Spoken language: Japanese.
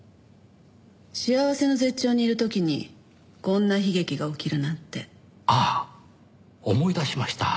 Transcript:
幸せの絶頂にいる時にこんな悲劇が起きるなんて。ああ思い出しました。